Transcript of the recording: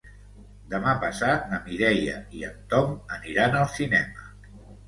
Demà passat na Mireia i en Tom aniran al cinema.